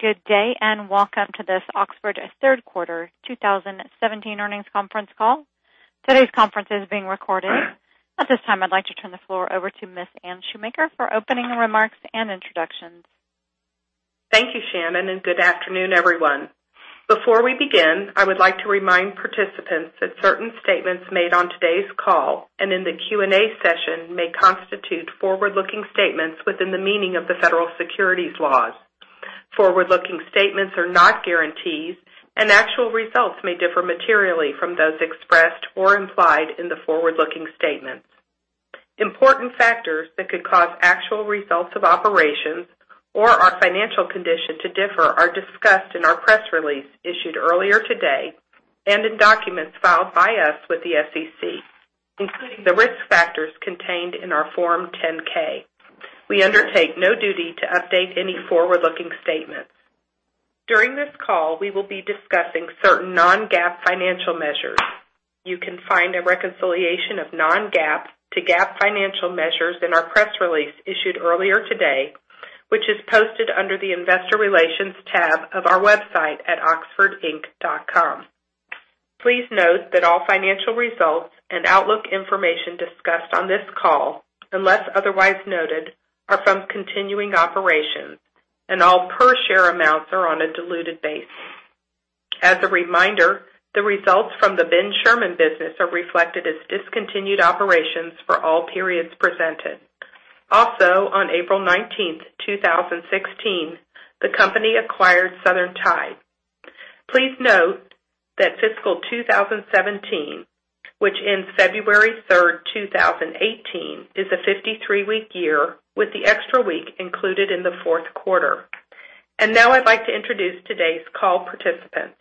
Good day, and welcome to this Oxford third quarter 2017 earnings conference call. Today's conference is being recorded. At this time, I'd like to turn the floor over to Ms. Anne Shoemaker for opening remarks and introductions. Thank you, Shannon, good afternoon, everyone. Before we begin, I would like to remind participants that certain statements made on today's call and in the Q&A session may constitute forward-looking statements within the meaning of the federal securities laws. Forward-looking statements are not guarantees, actual results may differ materially from those expressed or implied in the forward-looking statements. Important factors that could cause actual results of operations or our financial condition to differ are discussed in our press release issued earlier today and in documents filed by us with the SEC, including the risk factors contained in our Form 10-K. We undertake no duty to update any forward-looking statements. During this call, we will be discussing certain non-GAAP financial measures. You can find a reconciliation of non-GAAP to GAAP financial measures in our press release issued earlier today, which is posted under the Investor Relations tab of our website at oxfordinc.com. Please note that all financial results and outlook information discussed on this call, unless otherwise noted, are from continuing operations, all per share amounts are on a diluted basis. As a reminder, the results from the Ben Sherman business are reflected as discontinued operations for all periods presented. On April 19th, 2016, the company acquired Southern Tide. Please note that fiscal 2017, which ends February 3rd, 2018, is a 53-week year with the extra week included in the fourth quarter. Now I'd like to introduce today's call participants.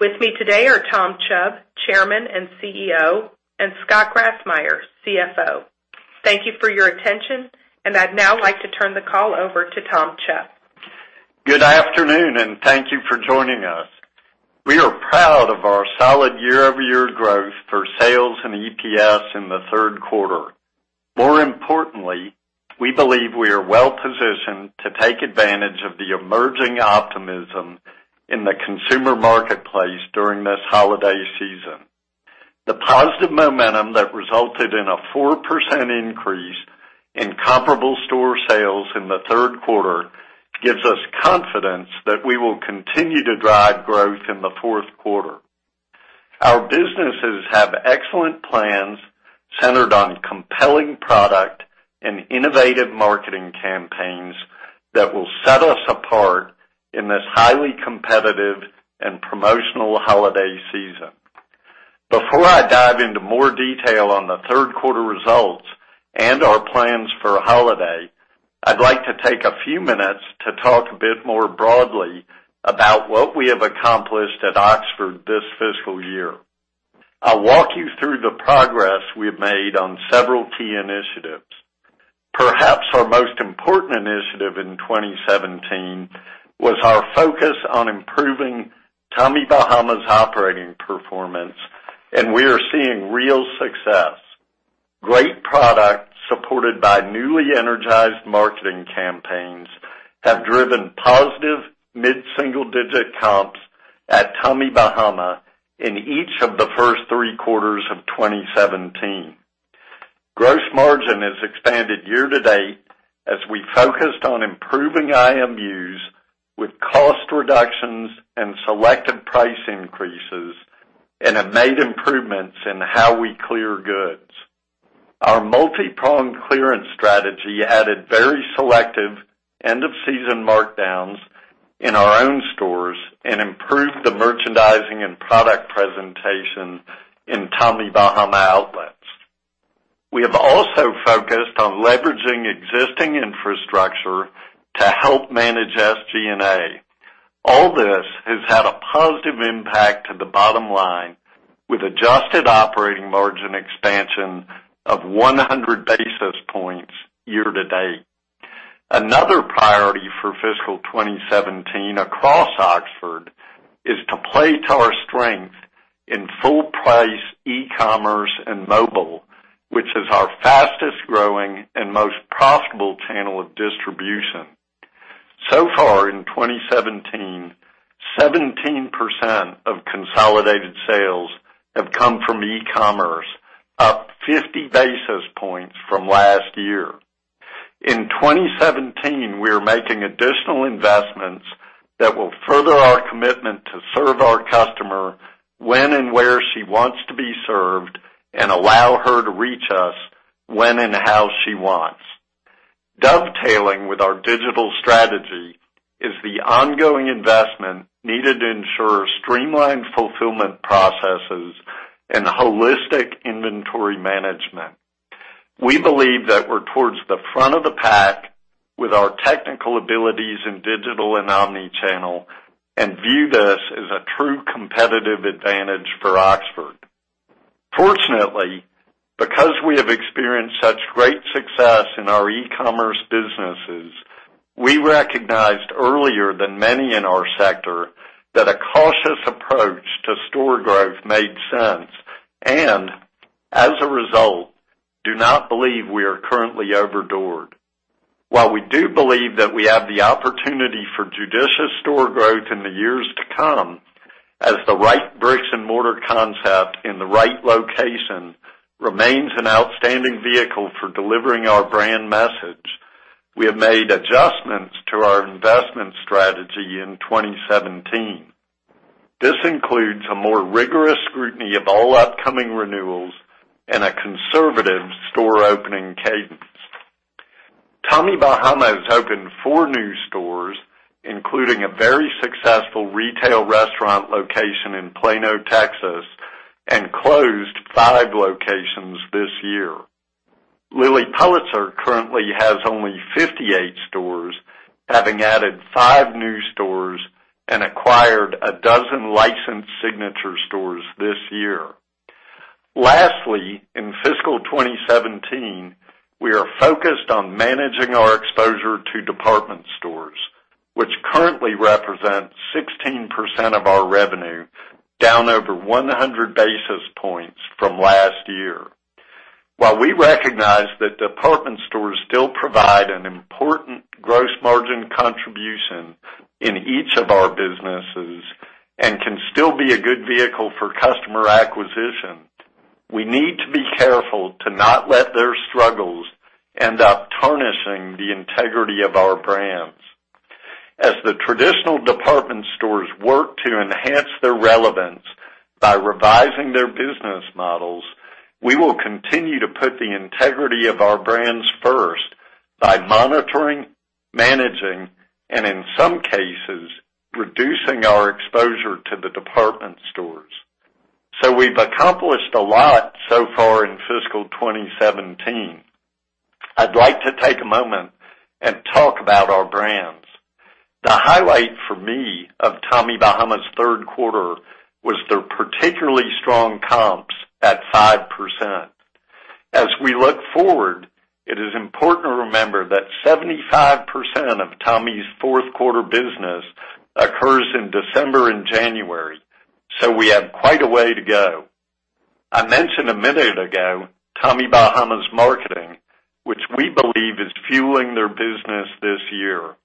With me today are Tom Chubb, Chairman and CEO, and Scott Grassmyer, CFO. Thank you for your attention, I'd now like to turn the call over to Tom Chubb. Good afternoon, and thank you for joining us. We are proud of our solid year-over-year growth for sales and EPS in the third quarter. More importantly, we believe we are well-positioned to take advantage of the emerging optimism in the consumer marketplace during this holiday season. The positive momentum that resulted in a 4% increase in comparable store sales in the third quarter gives us confidence that we will continue to drive growth in the fourth quarter. Our businesses have excellent plans centered on compelling product and innovative marketing campaigns that will set us apart in this highly competitive and promotional holiday season. Before I dive into more detail on the third quarter results and our plans for holiday, I'd like to take a few minutes to talk a bit more broadly about what we have accomplished at Oxford this fiscal year. I'll walk you through the progress we've made on several key initiatives. Perhaps our most important initiative in 2017 was our focus on improving Tommy Bahama's operating performance, and we are seeing real success. Great product supported by newly energized marketing campaigns have driven positive mid-single-digit comps at Tommy Bahama in each of the first three quarters of 2017. Gross margin has expanded year-to-date as we focused on improving IMUs with cost reductions and selective price increases and have made improvements in how we clear goods. Our multi-pronged clearance strategy added very selective end-of-season markdowns in our own stores and improved the merchandising and product presentation in Tommy Bahama outlets. We have also focused on leveraging existing infrastructure to help manage SG&A. All this has had a positive impact to the bottom line with adjusted operating margin expansion of 100 basis points year-to-date. Another priority for fiscal 2017 across Oxford is to play to our strength in full-price e-commerce and mobile, which is our fastest-growing and most profitable channel of distribution. So far in 2017, 17% of consolidated sales have come from e-commerce, up 50 basis points from last year. In 2017, we are making additional investments that will further our commitment to serve our customer when and where she wants to be served and allow her to reach us when and how she wants. Dovetailing with our digital strategy is the ongoing investment needed to ensure streamlined fulfillment processes and holistic inventory management. We believe that we're towards the front of the pack with our technical abilities in digital and omni-channel and view this as a true competitive advantage for Oxford. Fortunately, because we have experienced such great success in our e-commerce businesses, we recognized earlier than many in our sector that a cautious approach to store growth made sense, and as a result do not believe we are currently over-doored. While we do believe that we have the opportunity for judicious store growth in the years to come, as the right bricks and mortar concept in the right location remains an outstanding vehicle for delivering our brand message, we have made adjustments to our investment strategy in 2017. This includes a more rigorous scrutiny of all upcoming renewals and a conservative store opening cadence. Tommy Bahama has opened four new stores, including a very successful retail restaurant location in Plano, Texas, and closed five locations this year. Lilly Pulitzer currently has only 58 stores, having added five new stores and acquired a dozen licensed signature stores this year. Lastly, in fiscal 2017, we are focused on managing our exposure to department stores, which currently represents 16% of our revenue, down over 100 basis points from last year. While we recognize that department stores still provide an important gross margin contribution in each of our businesses and can still be a good vehicle for customer acquisition, we need to be careful to not let their struggles end up tarnishing the integrity of our brands. As the traditional department stores work to enhance their relevance by revising their business models, we will continue to put the integrity of our brands first by monitoring, managing, and in some cases, reducing our exposure to the department stores. We've accomplished a lot so far in fiscal 2017. I'd like to take a moment and talk about our brands. The highlight for me of Tommy Bahama's third quarter was their particularly strong comps at 5%. As we look forward, it is important to remember that 75% of Tommy's fourth quarter business occurs in December and January, so we have quite a way to go. I mentioned a minute ago Tommy Bahama's marketing, which we believe is fueling their business this year.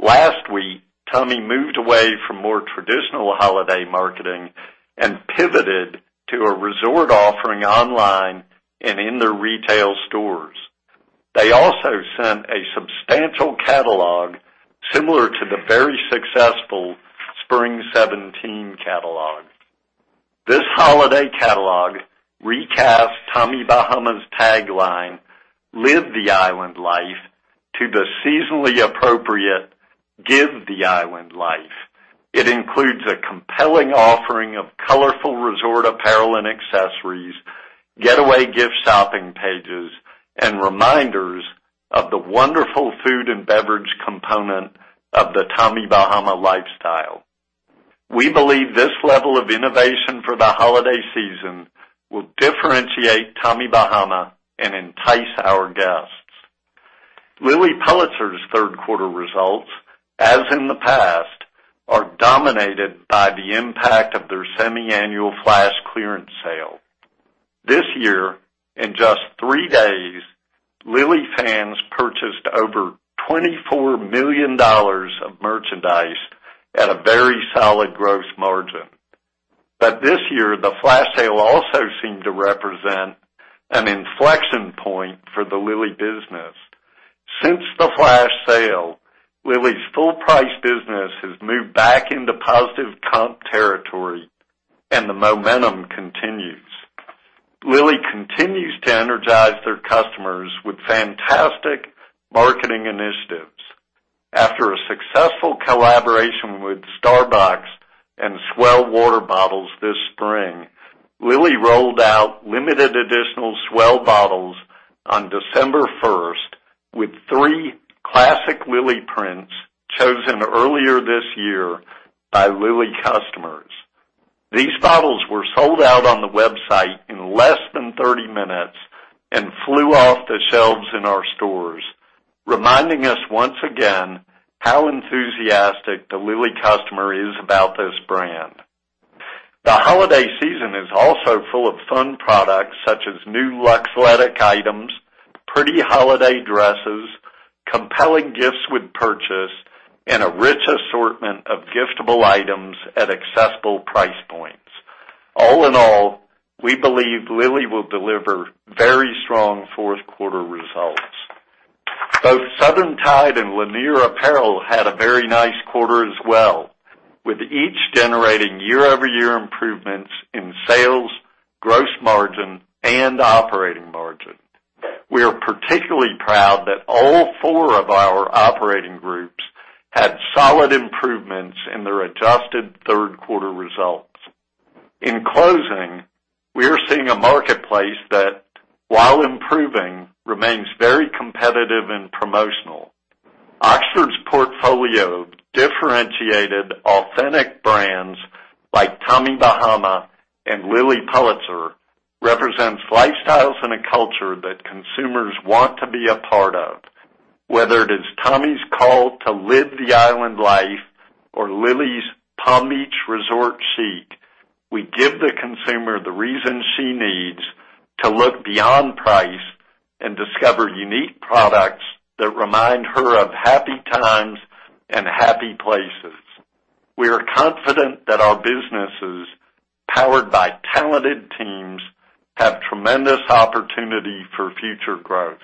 Last week, Tommy moved away from more traditional holiday marketing and pivoted to a resort offering online and in their retail stores. They also sent a substantial catalog similar to the very successful Spring 2017 catalog. This holiday catalog recasts Tommy Bahama's tagline, "Live the Island Life," to the seasonally appropriate, "Give the Island Life." It includes a compelling offering of colorful resort apparel and accessories, getaway gift shopping pages, and reminders of the wonderful food and beverage component of the Tommy Bahama lifestyle. We believe this level of innovation for the holiday season will differentiate Tommy Bahama and entice our guests. Lilly Pulitzer's third quarter results, as in the past, are dominated by the impact of their semi-annual flash clearance sale. This year, in just three days, Lilly fans purchased over $24 million of merchandise at a very solid gross margin. This year, the flash sale also seemed to represent an inflection point for the Lilly business. Since the flash sale, Lilly's full-price business has moved back into positive comp territory, and the momentum continues. Lilly continues to energize their customers with fantastic marketing initiatives. After a successful collaboration with Starbucks and S'well water bottles this spring, Lilly rolled out limited additional S'well bottles on December 1st with three classic Lilly prints chosen earlier this year by Lilly customers. These bottles were sold out on the website in less than 30 minutes and flew off the shelves in our stores, reminding us once again how enthusiastic the Lilly customer is about this brand. The holiday season is also full of fun products such as new luxe leather items, pretty holiday dresses, compelling gifts with purchase, and a rich assortment of giftable items at accessible price points. All in all, we believe Lilly will deliver very strong fourth quarter results. Both Southern Tide and Lanier Apparel had a very nice quarter as well, with each generating year-over-year improvements in sales, gross margin, and operating margin. We are particularly proud that all four of our operating groups had solid improvements in their adjusted third quarter results. In closing, we are seeing a marketplace that, while improving, remains very competitive and promotional. Oxford's portfolio of differentiated authentic brands like Tommy Bahama and Lilly Pulitzer represents lifestyles and a culture that consumers want to be a part of. Whether it is Tommy's call to Live the Island Life or Lilly's Palm Beach resort chic, we give the consumer the reason she needs to look beyond price and discover unique products that remind her of happy times and happy places. We are confident that our businesses, powered by talented teams, have tremendous opportunity for future growth.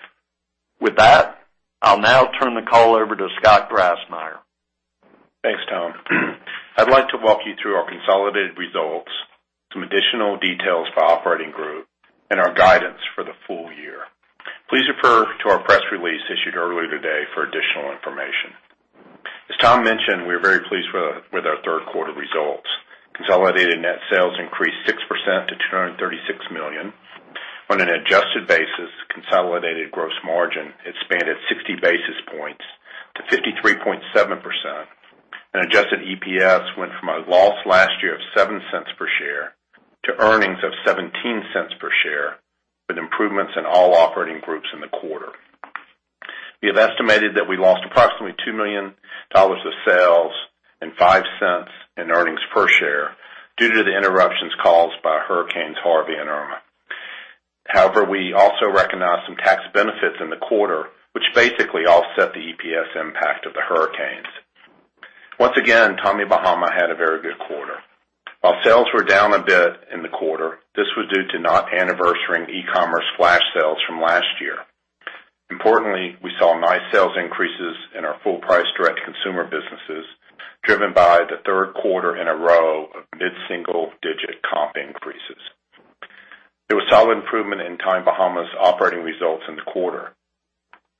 With that, I'll now turn the call over to Scott Grassmyer. Thanks, Tom. I'd like to walk you through our consolidated results, some additional details by operating group, and our guidance for the full year. Please refer to our press release issued earlier today for additional information. As Tom mentioned, we are very pleased with our third quarter results. Consolidated net sales increased 6% to $236 million. On an adjusted basis, consolidated gross margin expanded 60 basis points to 53.7%, and adjusted EPS went from a loss last year of $0.07 per share to earnings of $0.17 per share, with improvements in all operating groups in the quarter. We have estimated that we lost approximately $2 million of sales and $0.05 in earnings per share due to the interruptions caused by Hurricanes Harvey and Irma. We also recognized some tax benefits in the quarter, which basically offset the EPS impact of the hurricanes. Once again, Tommy Bahama had a very good quarter. While sales were down a bit in the quarter, this was due to not anniversarying e-commerce flash sales from last year. Importantly, we saw nice sales increases in our full-price direct-to-consumer businesses, driven by the third quarter in a row of mid-single-digit comp increases. There was solid improvement in Tommy Bahama's operating results in the quarter.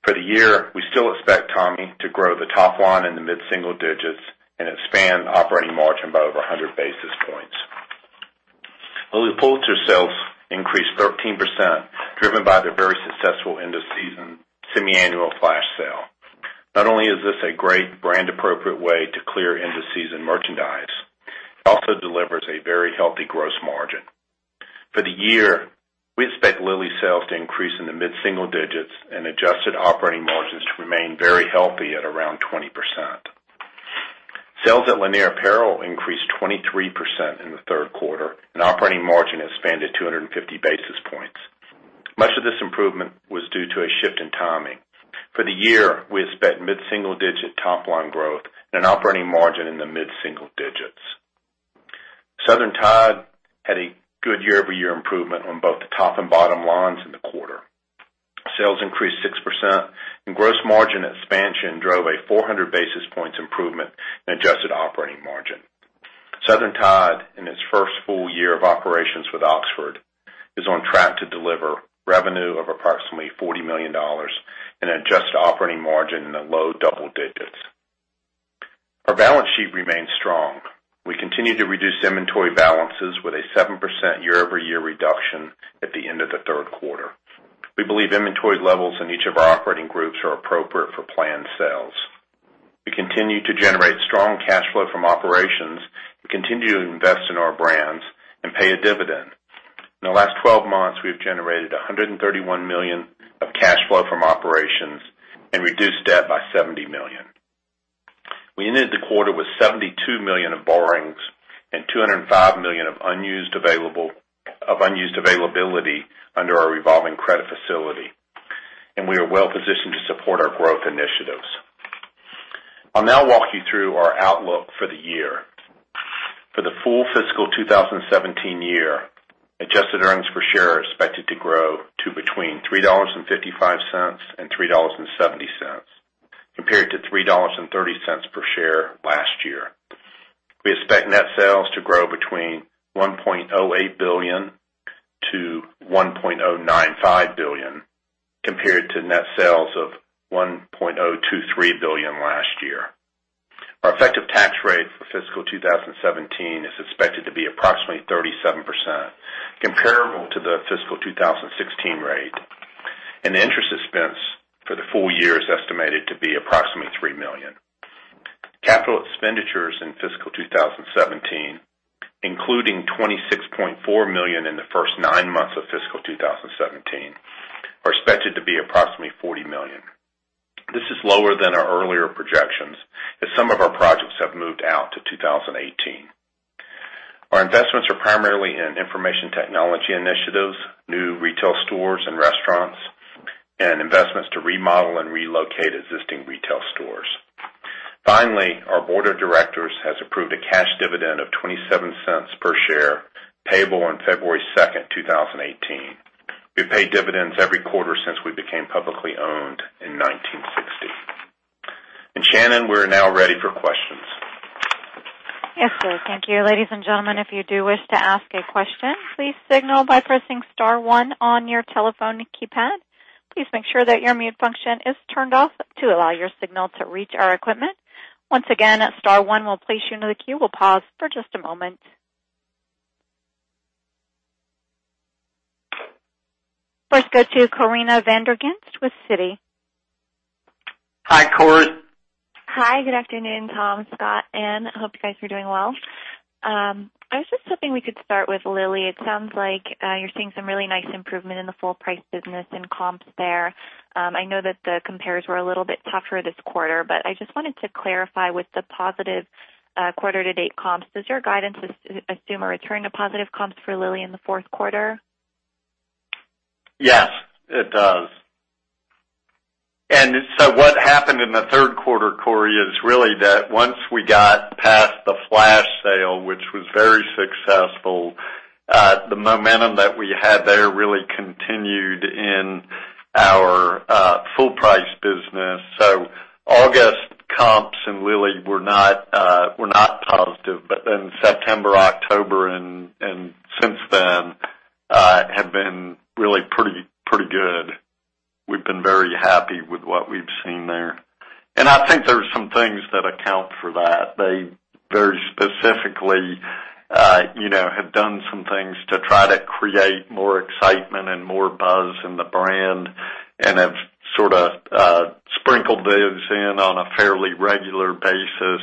For the year, we still expect Tommy to grow the top line in the mid-single digits and expand operating margin by over 100 basis points. Lilly Pulitzer sales increased 13%, driven by the very successful end-of-season semiannual flash sale. Not only is this a great brand-appropriate way to clear end-of-season merchandise, it also delivers a very healthy gross margin. For the year, we expect Lilly's sales to increase in the mid-single digits and adjusted operating margins to remain very healthy at around 20%. Sales at Lanier Apparel increased 23% in the third quarter, and operating margin expanded 250 basis points. Much of this improvement was due to a shift in timing. For the year, we expect mid-single-digit top-line growth and operating margin in the mid-single digits. Southern Tide had a good year-over-year improvement on both the top and bottom lines in the quarter. Sales increased 6%, and gross margin expansion drove a 400 basis points improvement in adjusted operating margin. Southern Tide, in its first full year of operations with Oxford, is on track to deliver revenue of approximately $40 million and adjusted operating margin in the low double digits. Our balance sheet remains strong. We continue to reduce inventory balances with a 7% year-over-year reduction at the end of the third quarter. We believe inventory levels in each of our operating groups are appropriate for planned sales. We continue to generate strong cash flow from operations. We continue to invest in our brands and pay a dividend. In the last 12 months, we've generated $131 million of cash flow from operations and reduced debt by $70 million. We ended the quarter with $72 million of borrowings and $205 million of unused availability under our revolving credit facility, and we are well-positioned to support our growth initiatives. I'll now walk you through our outlook for the year. For the full fiscal 2017 year, adjusted earnings per share are expected to grow to between $3.55 and $3.70, compared to $3.30 per share last year. We expect net sales to grow between $1.08 billion to $1.095 billion, compared to net sales of $1.023 billion last year. Our effective tax rate for fiscal 2017 is expected to be approximately 37%, comparable to the fiscal 2016 rate, and the interest expense for the full year is estimated to be approximately $3 million. Capital expenditures in fiscal 2017, including $26.4 million in the first nine months of fiscal 2017, are expected to be approximately $40 million. This is lower than our earlier projections, as some of our projects have moved out to 2018. Our investments are primarily in information technology initiatives, new retail stores and restaurants, and investments to remodel and relocate existing retail stores. Finally, our board of directors has approved a cash dividend of $0.27 per share, payable on February 2nd, 2018. We've paid dividends every quarter since we became publicly owned in 1960. And Shannon, we're now ready for questions. Yes, sir. Thank you. Ladies and gentlemen, if you do wish to ask a question, please signal by pressing *1 on your telephone keypad. Please make sure that your mute function is turned off to allow your signal to reach our equipment. Once again, *1 will place you into the queue. We'll pause for just a moment. First, go to Corina Van Der Ginst with Citi. Hi, Corey. Hi, good afternoon, Tom, Scott, Anne. I hope you guys are doing well. I was just hoping we could start with Lilly. It sounds like you're seeing some really nice improvement in the full price business and comps there. I know that the comparers were a little bit tougher this quarter. I just wanted to clarify with the positive quarter-to-date comps, does your guidance assume a return to positive comps for Lilly in the fourth quarter? Yes, it does. What happened in the third quarter, Corey, is really that once we got past the flash sale, which was very successful, the momentum that we had there really continued in our full price business. August comps in Lilly were not positive. September, October, and since then, have been really pretty good. We've been very happy with what we've seen there. I think there's some things that account for that. They very specifically have done some things to try to create more excitement and more buzz in the brand and have sort of sprinkled those in on a fairly regular basis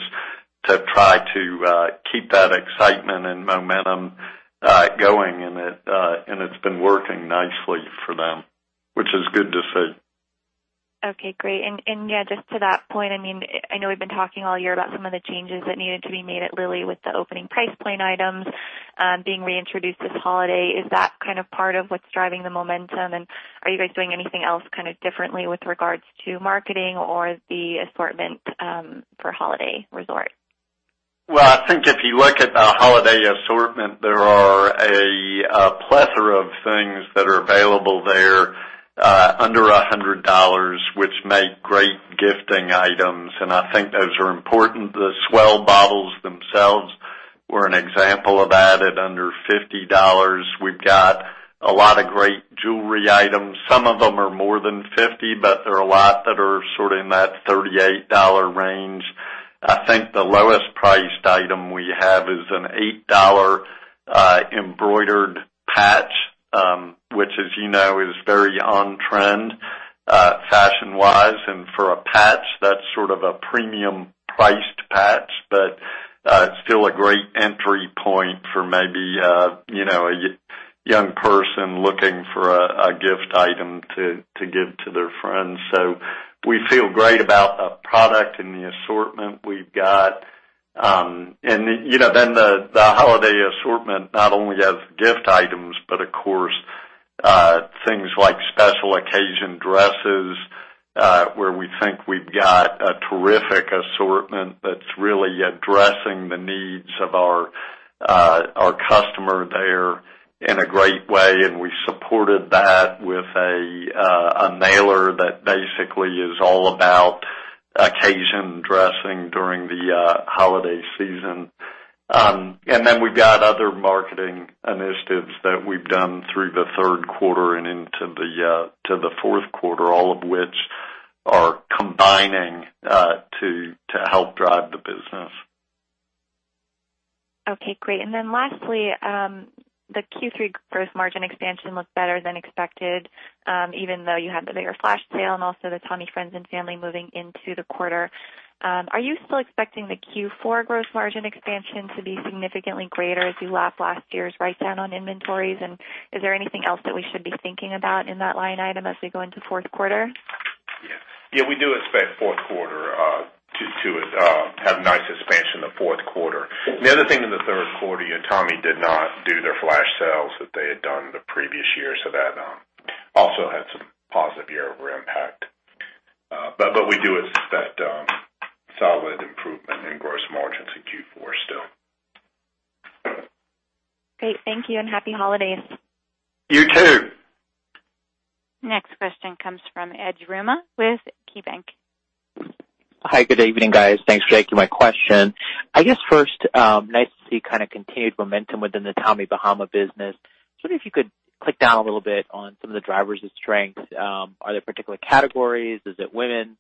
to try to keep that excitement and momentum going, and it's been working nicely for them, which is good to see. Okay, great. Yeah, just to that point, I know we've been talking all year about some of the changes that needed to be made at Lilly with the opening price point items being reintroduced this holiday. Is that kind of part of what's driving the momentum? Are you guys doing anything else kind of differently with regards to marketing or the assortment for holiday resort? I think if you look at the holiday assortment, there are a plethora of things that are available there under $100, which make great gifting items, and I think those are important. The S'well bottles themselves were an example of that at under $50. We've got a lot of great jewelry items. Some of them are more than $50, but there are a lot that are sort of in that $38 range. I think the lowest priced item we have is an $8 embroidered patch, which as you know, is very on-trend fashion-wise. For a patch, that's sort of a premium priced patch, but still a great entry point for maybe a young person looking for a gift item to give to their friends. We feel great about the product and the assortment we've got. The holiday assortment not only has gift items, but of course, things like special occasion dresses, where we think we've got a terrific assortment that's really addressing the needs of our customer there in a great way. We supported that with a mailer that basically is all about occasion dressing during the holiday season. We've got other marketing initiatives that we've done through the third quarter and into the fourth quarter, all of which are combining to help drive the business. Okay, great. Lastly, the Q3 gross margin expansion looked better than expected, even though you had the bigger flash sale and also the Tommy Friends and Family moving into the quarter. Are you still expecting the Q4 gross margin expansion to be significantly greater as you lap last year's write-down on inventories? Is there anything else that we should be thinking about in that line item as we go into fourth quarter? We do expect fourth quarter to have nice expansion the fourth quarter. The other thing in the third quarter, Tommy did not do their flash sales that they had done the previous year, so that also had some positive year-over impact. We do expect solid improvement in gross margins in Q4 still. Great. Thank you, and happy holidays. You too. Next question comes from Ed Yruma with KeyBank. Hi, good evening, guys. Thanks for taking my question. I guess first, nice to see kind of continued momentum within the Tommy Bahama business. Just wonder if you could click down a little bit on some of the drivers of strength. Are there particular categories? Is it women?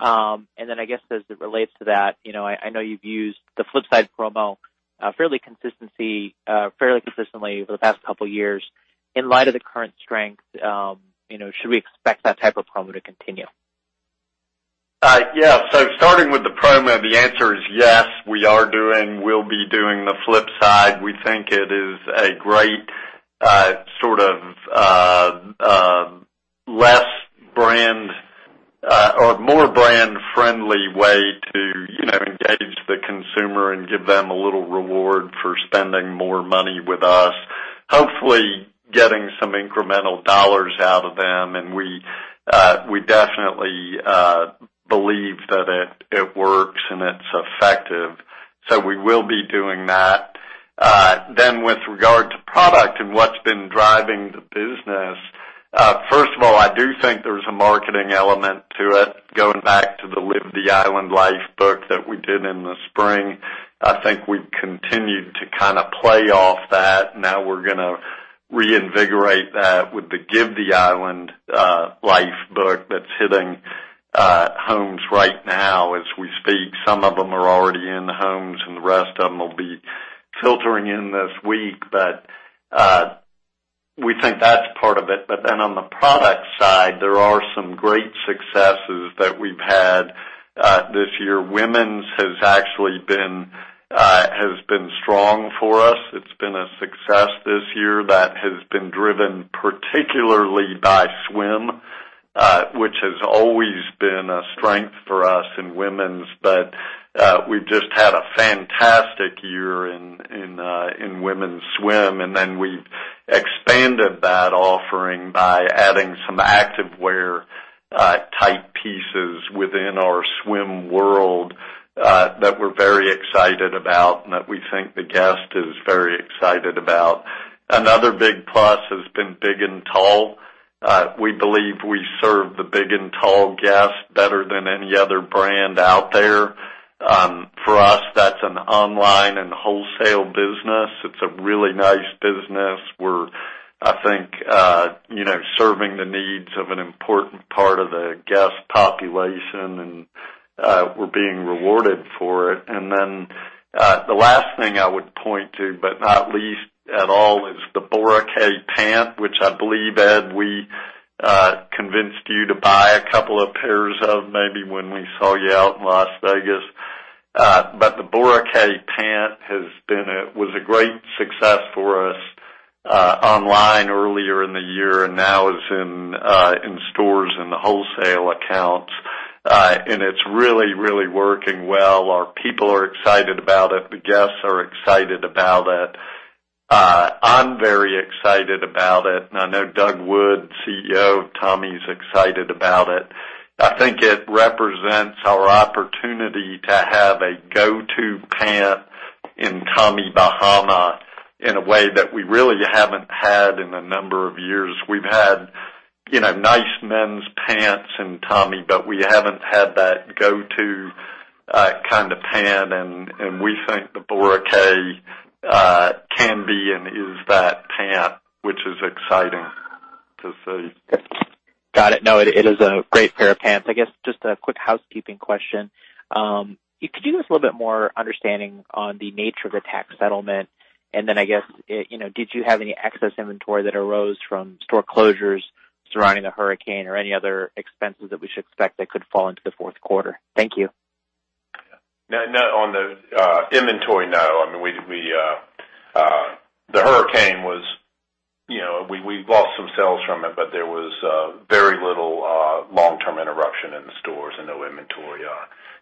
I guess as it relates to that, I know you've used the Flip Side promo fairly consistently over the past couple of years. In light of the current strength, should we expect that type of promo to continue? Yeah. Starting with the promo, the answer is yes, we'll be doing the Flip Side. We think it is a great sort of more brand friendly way to engage the consumer and give them a little reward for spending more money with us, hopefully getting some incremental dollars out of them. We definitely believe that it works and it's effective. We will be doing that. With regard to product and what's been driving the business, first of all, I do think there's a marketing element to it, going back to the "Live the Island Life" book that we did in the spring. I think we've continued to kind of play off that. Now we're going to reinvigorate that with the "Give the Island Life" book that's hitting homes right now as we speak. Some of them are already in homes. The rest of them will be filtering in this week. I think that's part of it. On the product side, there are some great successes that we've had this year. Women's has actually been strong for us. It's been a success this year that has been driven particularly by swim, which has always been a strength for us in women's. We've just had a fantastic year in women's swim. We've expanded that offering by adding some active wear type pieces within our swim world, that we're very excited about and that we think the guest is very excited about. Another big plus has been big and tall. We believe we serve the big and tall guest better than any other brand out there. For us, that's an online and wholesale business. It's a really nice business. We're, I think, serving the needs of an important part of the guest population. We're being rewarded for it. The last thing I would point to, but not least at all, is the Boracay pant, which I believe, Ed, we convinced you to buy a couple of pairs of maybe when we saw you out in Las Vegas. The Boracay pant was a great success for us online earlier in the year and now is in stores in the wholesale accounts. It's really working well. Our people are excited about it. The guests are excited about it. I'm very excited about it. I know Doug Wood, CEO of Tommy's, excited about it. I think it represents our opportunity to have a go-to pant in Tommy Bahama in a way that we really haven't had in a number of years. We've had nice men's pants in Tommy. We haven't had that go-to kind of pant. We think the Boracay can be and is that pant, which is exciting to see. Got it. It is a great pair of pants. I guess, just a quick housekeeping question. Could you give us a little bit more understanding on the nature of the tax settlement. I guess, did you have any excess inventory that arose from store closures surrounding the hurricane or any other expenses that we should expect that could fall into the fourth quarter? Thank you. On the inventory, no. The hurricane, we lost some sales from it, but there was very little long-term interruption in the stores and no inventory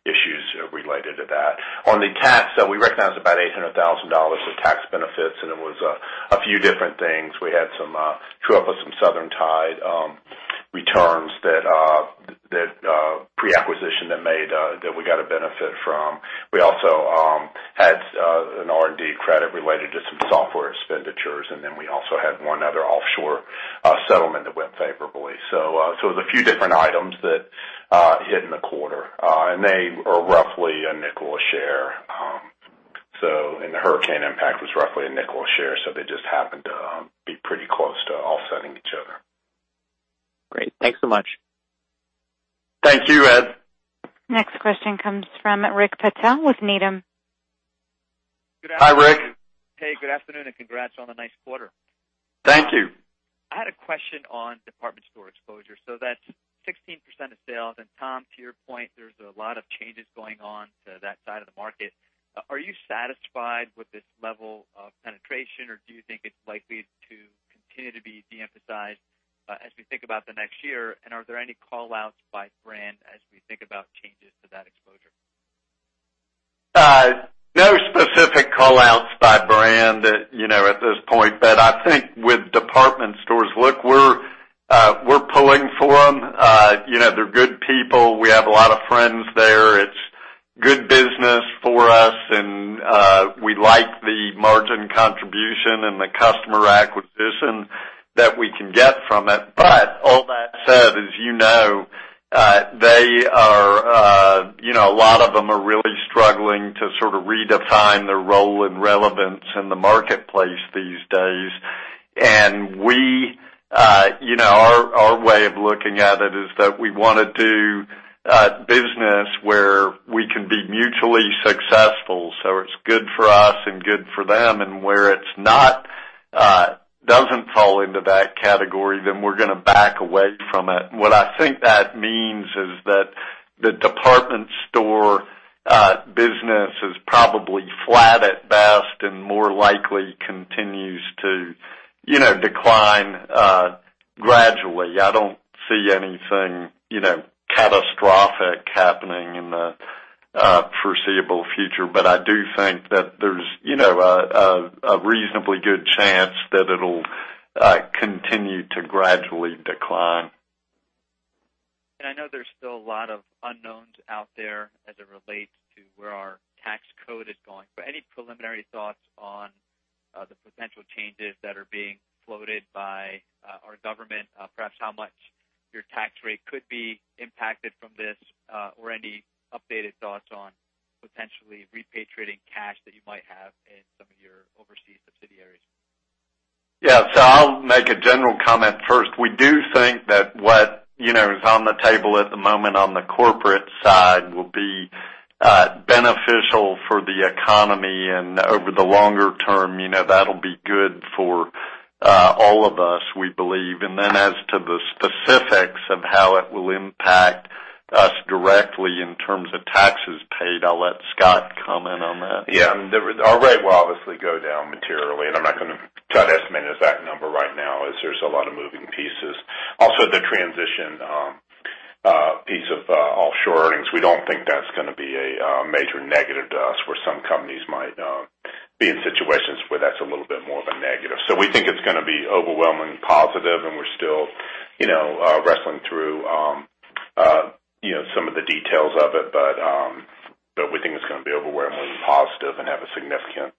issues related to that. On the tax, we recognized about $800,000 of tax benefits, and it was a few different things. We had true up of some Southern Tide returns pre-acquisition that we got a benefit from. We also had an R&D credit related to some software expenditures, and then we also had one other offshore settlement that went favorably. It was a few different items that hit in the quarter. They are roughly $0.05 a share. The hurricane impact was roughly $0.05 a share, so they just happened to be pretty close to offsetting each other. Great. Thanks so much. Thank you, Ed. Next question comes from Rick Patel with Needham. Hi, Rick. Hey, good afternoon, congrats on a nice quarter. Thank you. I had a question on department store exposure. That's 16% of sales. Tom, to your point, there's a lot of changes going on to that side of the market. Are you satisfied with this level of penetration, or do you think it's likely to continue to be de-emphasized as we think about the next year? Are there any call-outs by brand as we think about changes to that exposure? No specific call-outs by brand at this point. I think with department stores, look, we're pulling for them. They're good people. We have a lot of friends there. It's good business for us, and we like the margin contribution and the customer acquisition that we can get from it. All that said, as you know, a lot of them are really struggling to sort of redefine their role and relevance in the marketplace these days. Our way of looking at it is that we want to do business where we can be mutually successful, so it's good for us and good for them. Where it doesn't fall into that category, then we're going to back away from it. What I think that means is that the department store business is probably flat at best and more likely continues to decline gradually. I don't see anything catastrophic happening in the foreseeable future. I do think that there's a reasonably good chance that it'll continue to gradually decline. I know there's still a lot of unknowns out there as it relates to where our tax code is going, any preliminary thoughts on the potential changes that are being floated by our government, perhaps how much your tax rate could be impacted from this or any updated thoughts on potentially repatriating cash that you might have in some of your overseas subsidiaries? Yeah. I'll make a general comment first. We do think that what is on the table at the moment on the corporate side will be beneficial for the economy, and over the longer term, that'll be good for all of us, we believe. As to the specifics of how it will impact us directly in terms of taxes paid, I'll let Scott comment on that. Yeah. Our rate will obviously go down materially. I'm not going to try to estimate exact number right now, as there's a lot of moving pieces. The transition piece of offshore earnings, we don't think that's going to be a major negative to us, where some companies might be in situations where that's a little bit more of a negative. We think it's going to be overwhelmingly positive, and we're still wrestling through some of the details of it. We think it's going to be overwhelmingly positive and have a significant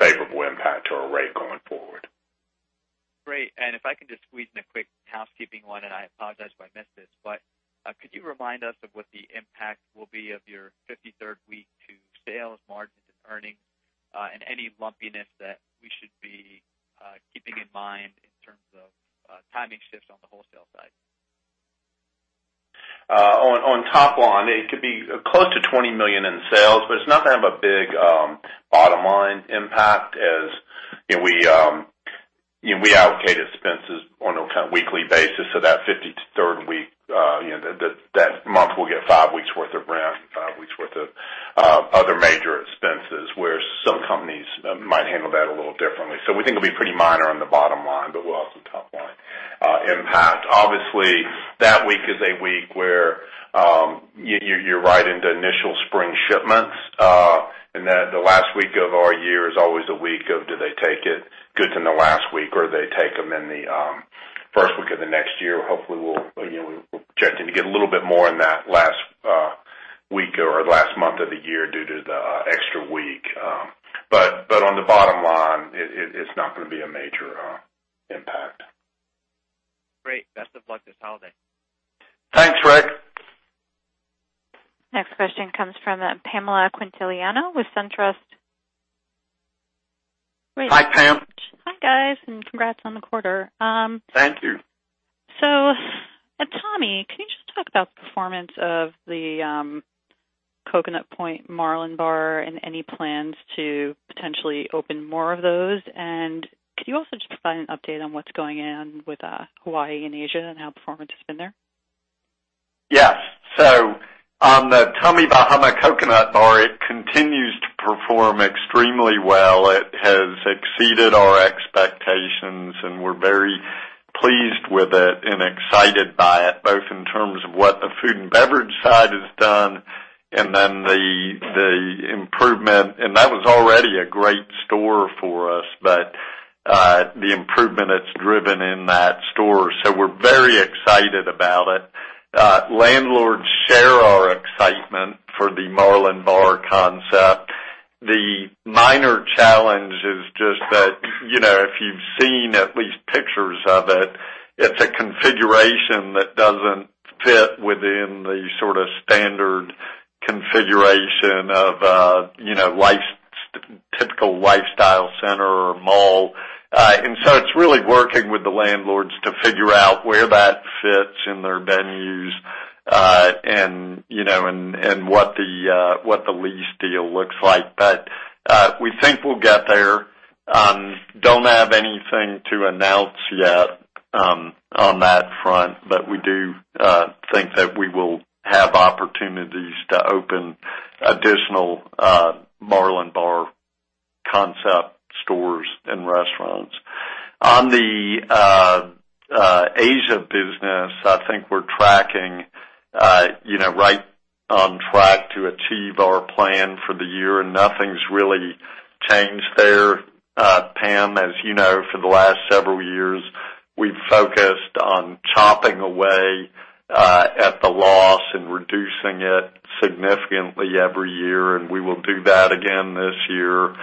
favorable impact to our rate going forward. Great. If I can just squeeze in a quick housekeeping one, and I apologize if I missed this, but could you remind us of what the impact will be of your 53rd week to sales, margins, and earnings? Any lumpiness that we should be keeping in mind in terms of timing shifts on the wholesale side. On top line, it could be close to $20 million in sales, but it's not going to have a big bottom-line impact as we allocate expenses on a weekly basis. That 53rd week, that month will get five weeks worth of rent, five weeks worth of other major expenses, where some companies might handle that a little differently. We think it'll be pretty minor on the bottom line, but we'll have some top-line impact. Obviously, that week is a week where you're right into initial spring shipments. The last week of our year is always a week of do they take it goods in the last week, or they take them in the first week of the next year. Hopefully, we're projecting to get a little bit more in that last week or last month of the year due to the extra week. On the bottom line, it's not going to be a major impact. Great. Best of luck this holiday. Thanks, Rick. Next question comes from Pamela Quintiliano with SunTrust. Hi, Pam. Hi, guys. Congrats on the quarter. Thank you. Tommy, can you just talk about the performance of the Coconut Point Marlin Bar and any plans to potentially open more of those? Could you also just provide an update on what's going on with Hawaii and Asia and how performance has been there? Yes. On the Tommy Bahama Coconut Bar, it continues to perform extremely well. It has exceeded our expectations, and we're very pleased with it and excited by it, both in terms of what the food and beverage side has done and then the improvement. That was already a great store for us, but the improvement it's driven in that store. We're very excited about it. Landlords share our excitement for the Marlin Bar concept. The minor challenge is just that, if you've seen at least pictures of it's a configuration that doesn't fit within the sort of standard configuration of a typical lifestyle center or mall. It's really working with the landlords to figure out where that fits in their venues, and what the lease deal looks like. We think we'll get there. Don't have anything to announce yet on that front, we do think that we will have opportunities to open additional Marlin Bar concept stores and restaurants. On the Asia business, I think we're right on track to achieve our plan for the year. Nothing's really changed there, Pam. As you know, for the last several years, we've focused on chopping away at the loss and reducing it significantly every year, and we will do that again this year.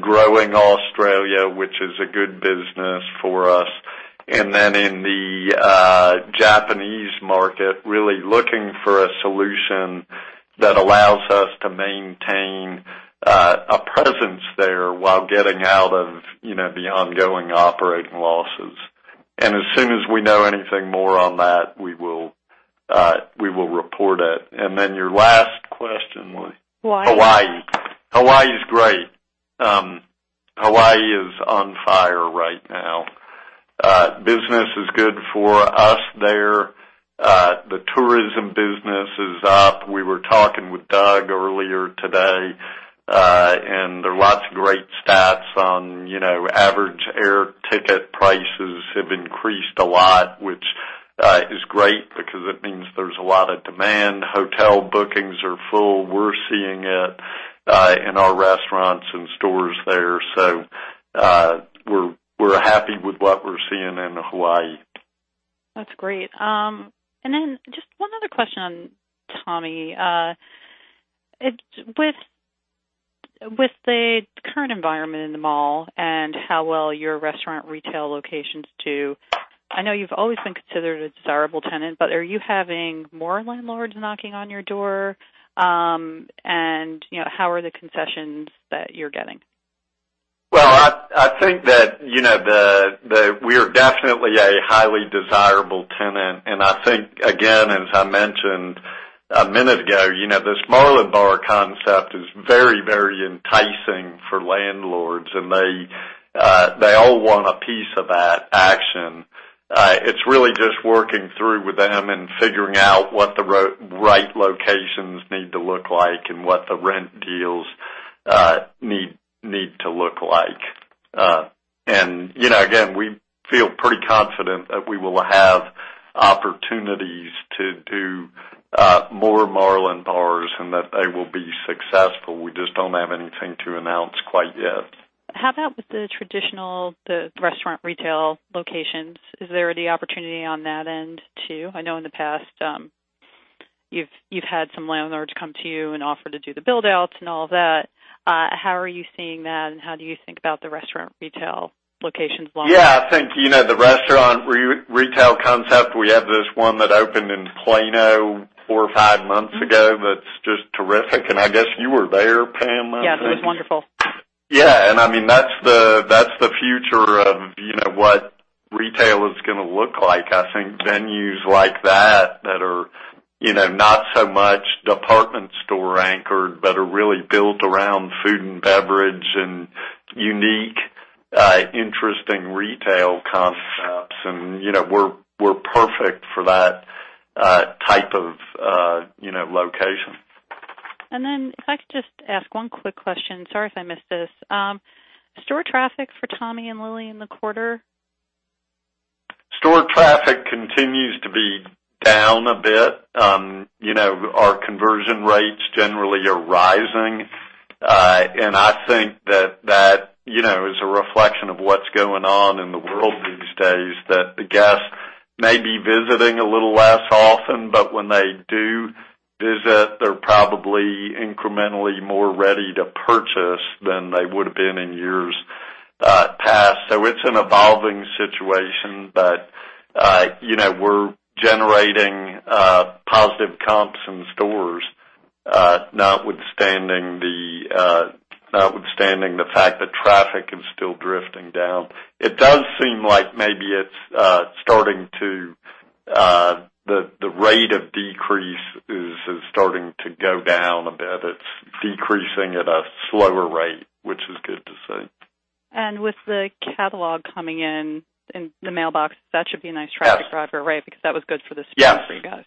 Growing Australia, which is a good business for us. In the Japanese market, really looking for a solution that allows us to maintain a presence there while getting out of the ongoing operating losses. As soon as we know anything more on that, we will report it. Your last question was- Hawaii. Hawaii. Hawaii is great. Hawaii is on fire right now. Business is good for us there. The tourism business is up. We were talking with Doug earlier today, there are lots of great stats on average air ticket prices have increased a lot, which is great because it means there's a lot of demand. Hotel bookings are full. We're seeing it in our restaurants and stores there. We're happy with what we're seeing in Hawaii. That's great. Just one other question, Tommy. With the current environment in the mall and how well your restaurant retail locations do, I know you've always been considered a desirable tenant, are you having more landlords knocking on your door? How are the concessions that you're getting? Well, I think that we're definitely a highly desirable tenant, I think, again, as I mentioned a minute ago, this Marlin Bar concept is very enticing for landlords, they all want a piece of that action. It's really just working through with them figuring out what the right locations need to look like what the rent deals need to look like. Again, we feel pretty confident that we will have opportunities to do more Marlin Bars that they will be successful. We just don't have anything to announce quite yet. How about with the traditional restaurant retail locations? Is there any opportunity on that end, too? I know in the past, you've had some landlords come to you and offer to do the build-outs and all that. How are you seeing that, and how do you think about the restaurant retail locations along those lines? Yeah, I think, the restaurant retail concept, we have this one that opened in Plano four or five months ago that's just terrific. I guess you were there, Pam. Yeah, that was wonderful. Yeah. That's the future of what retail is going to look like. I think venues like that are not so much department store anchored, but are really built around food and beverage and unique, interesting retail concepts, and we're perfect for that type of location. If I could just ask one quick question, sorry if I missed this. Store traffic for Tommy and Lilly in the quarter? Store traffic continues to be down a bit. Our conversion rates generally are rising. I think that is a reflection of what's going on in the world these days, that the guests may be visiting a little less often, but when they do visit, they're probably incrementally more ready to purchase than they would've been in years past. It's an evolving situation, but we're generating positive comps in stores, notwithstanding the fact that traffic is still drifting down. It does seem like maybe the rate of decrease is starting to go down a bit. It's decreasing at a slower rate, which is good to see. With the catalog coming in in the mailbox, that should be a nice traffic driver, right? That was good for the spring for you guys.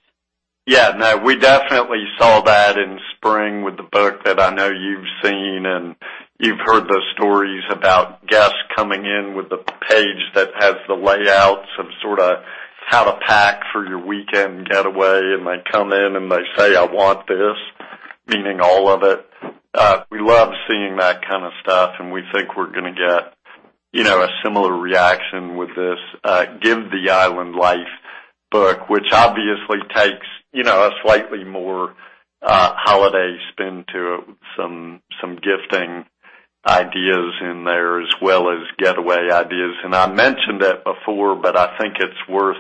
Yeah. No, we definitely saw that in spring with the book that I know you've seen, you've heard the stories about guests coming in with the page that has the layouts of sort of how to pack for your weekend getaway, they come in, and they say, "I want this," meaning all of it. We love seeing that kind of stuff, we think we're going to get a similar reaction with this Give the Island Life book, which obviously takes a slightly more holiday spin to some gifting ideas in there, as well as getaway ideas. I mentioned it before, but I think it's worth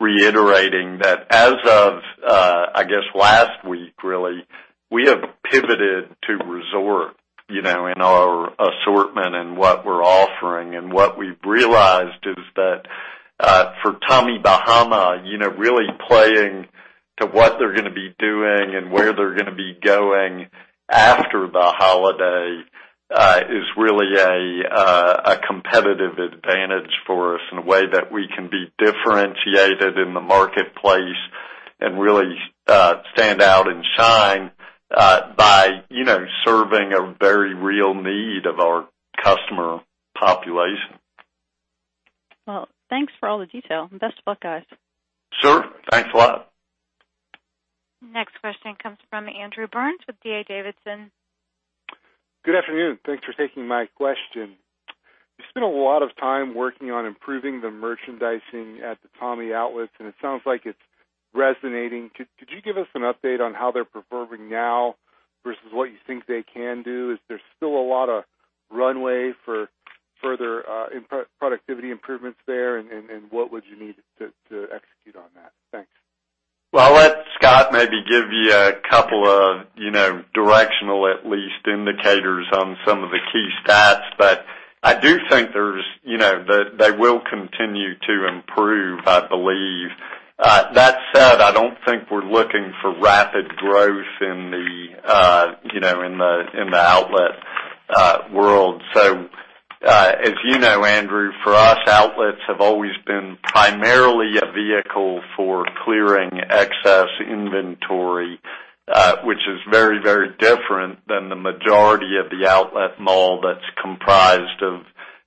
reiterating that as of, I guess, last week, really, we have pivoted to resort in our assortment and what we're offering. What we've realized is that for Tommy Bahama, really playing to what they're going to be doing and where they're going to be going after the holiday is really a competitive advantage for us in a way that we can be differentiated in the marketplace and really stand out and shine by serving a very real need of our customer population. Well, thanks for all the detail, and best of luck, guys. Sure. Thanks a lot. Next question comes from Andrew Burns with D.A. Davidson. Good afternoon. Thanks for taking my question. You spent a lot of time working on improving the merchandising at the Tommy outlets, and it sounds like it's resonating. Could you give us an update on how they're performing now versus what you think they can do? Is there still a lot of runway for further productivity improvements there? What would you need to execute on that? Thanks. Well, I'll let Scott maybe give you a couple of directional, at least, indicators on some of the key stats. I do think they will continue to improve, I believe. That said, I don't think we're looking for rapid growth in the outlet world. As you know, Andrew, for us, outlets have always been primarily a vehicle for clearing excess inventory, which is very different than the majority of the outlet mall that's comprised of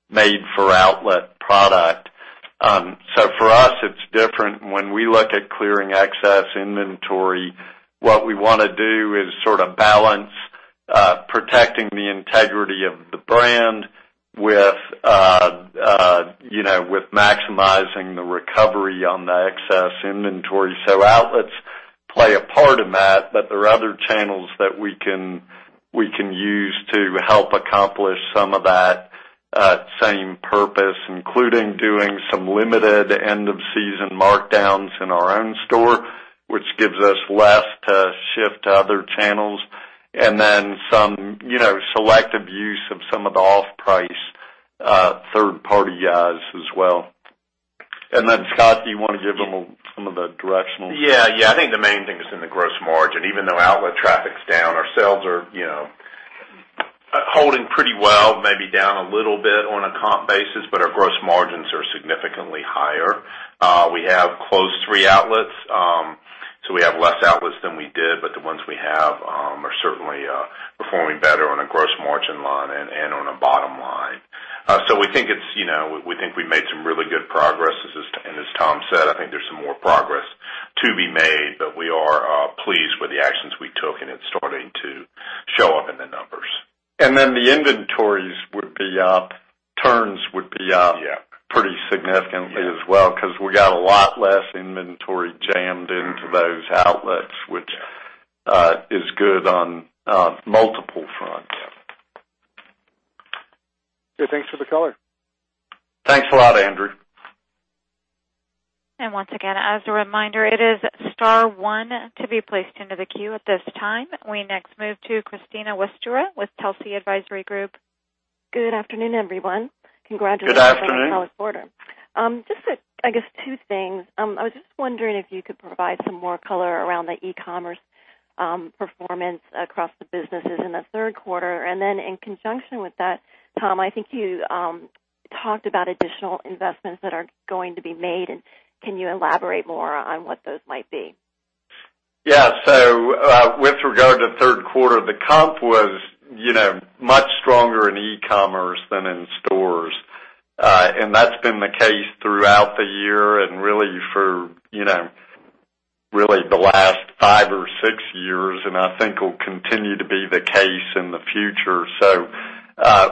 made for outlet product. For us, it's different. When we look at clearing excess inventory, what we want to do is sort of balance protecting the integrity of the brand with maximizing the recovery on the excess inventory. Outlets play a part in that. There are other channels that we can use to help accomplish some of that same purpose, including doing some limited end-of-season markdowns in our own store, which gives us less to shift to other channels, and then some selective use of some of the off-price third party guys as well. Scott, do you want to give them some of the directional stuff? Yeah. I think the main thing is in the gross margin, even though outlet traffic's down, our sales are holding pretty well, maybe down a little bit on a comp basis, but our gross margins are significantly higher. We have closed three outlets, so we have less outlets than we did, but the ones we have are certainly performing better on a gross margin line and on a bottom line. We think we made some really good progress. As Tom said, I think there's some more progress to be made, but we are pleased with the actions we took, and it's starting to show up in the numbers. The inventories would be up, turns would be up Yeah pretty significantly as well, because we got a lot less inventory jammed into those outlets, which is good on multiple fronts. Yeah. Good. Thanks for the color. Thanks a lot, Andrew. Once again, as a reminder, it is star one to be placed into the queue at this time. We next move to Christina Westra with Telsey Advisory Group. Good afternoon, everyone. Good afternoon. Congratulations on the quarter. Just, I guess two things. I was just wondering if you could provide some more color around the e-commerce performance across the businesses in the third quarter. Then in conjunction with that, Tom, I think you talked about additional investments that are going to be made. Can you elaborate more on what those might be? Yeah. With regard to third quarter, the comp was much stronger in e-commerce than in stores. That's been the case throughout the year and really for the last five or six years, and I think will continue to be the case in the future.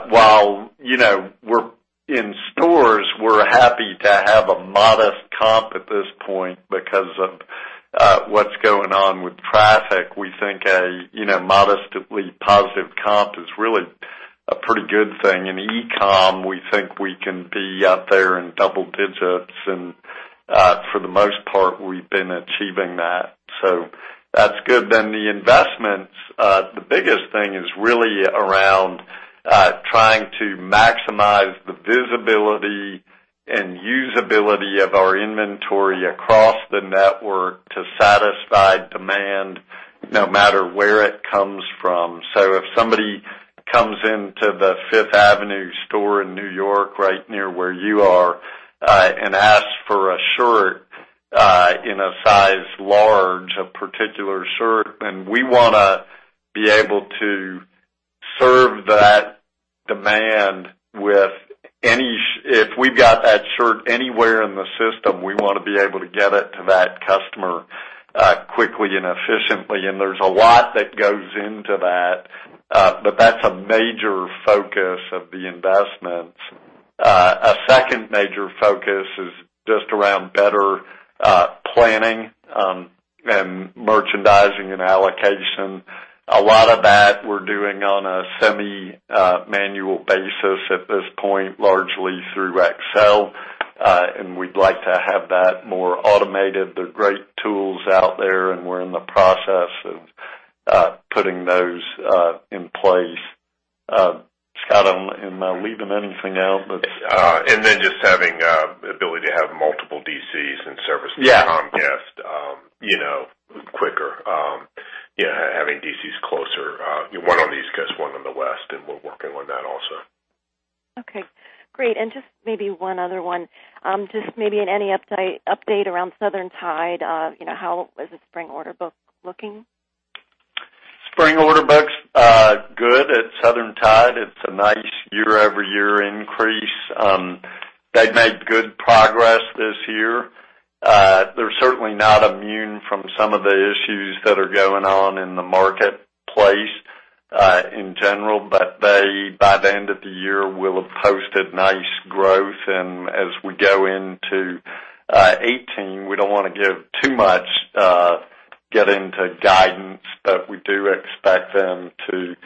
While in stores, we're happy to have a modest comp at this point because of what's going on with traffic. We think a modest positive comp is really a pretty good thing. In e-com, we think we can be up there in double digits, and for the most part, we've been achieving that. That's good. The investments, the biggest thing is really around trying to maximize the visibility and usability of our inventory across the network to satisfy demand, no matter where it comes from. If somebody comes into the Fifth Avenue store in New York right near where you are and asks for a shirt in a size large, a particular shirt, then we want to be able to serve that demand with any. If we've got that shirt anywhere in the system, we want to be able to get it to that customer quickly and efficiently. There's a lot that goes into that. That's a major focus of the investments. A second major focus is just around better planning and merchandising and allocation. A lot of that we're doing on a semi-manual basis at this point, largely through Excel, and we'd like to have that more automated. There are great tools out there, and we're in the process of putting those in place. Scott, am I leaving anything out that's? Just having ability to have multiple DCs and service the comp guests quicker. Having DCs closer, one on the East Coast, one on the West, and we're working on that also. Okay, great. Just maybe one other one. Just maybe any update around Southern Tide? How is the spring order book looking? Spring order book's good at Southern Tide. It's a nice year-over-year increase. They've made good progress this year. They're certainly not immune from some of the issues that are going on in the marketplace in general, but by the end of the year, will have posted nice growth. As we go into 2018, we don't want to give too much get into guidance, but we do expect them to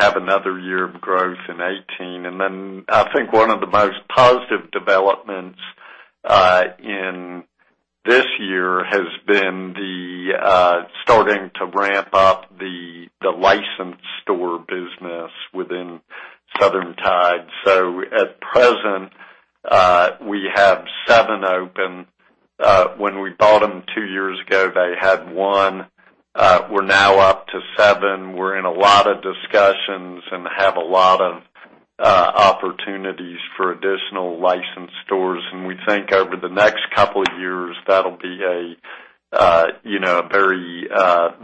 have another year of growth in 2018. Then I think one of the most positive developments in this year has been the starting to ramp up the licensed store business within Southern Tide. At present, we have seven open. When we bought them two years ago, they had one. We're now up to seven. We're in a lot of discussions and have a lot of opportunities for additional licensed stores. We think over the next couple of years, that'll be a very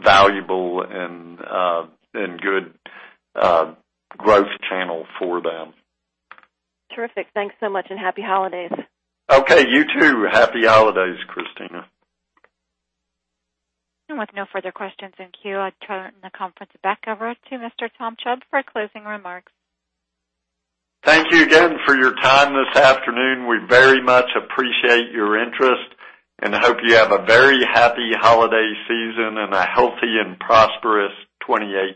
valuable and good growth channel for them. Terrific. Thanks so much, and happy holidays. Okay, you too. Happy holidays, Christina. With no further questions in queue, I turn the conference back over to Mr. Tom Chubb for closing remarks. Thank you again for your time this afternoon. We very much appreciate your interest and hope you have a very happy holiday season and a healthy and prosperous 2018.